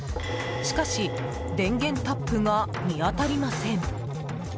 しかし、電源タップが見当たりません。